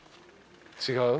違う？